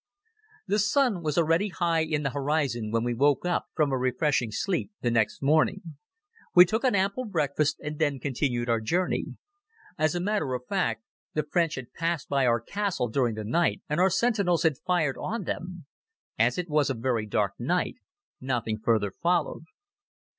The sun was already high in the horizon when we woke up from a refreshing sleep the next morning. We took an ample breakfast and then continued our journey. As a matter of fact, the French had passed by our castle during the night and our sentinels had fired on them. As it was a very dark night nothing further followed.